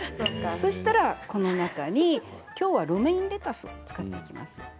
そうしたら、この中にきょうはロメインレタスを使います。